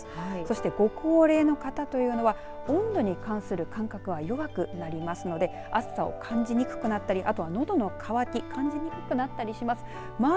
そしてご高齢の方というのは温度に関する感覚が弱くなりますので暑さを感じにくくなったりのどの乾き感じにくくなったりします。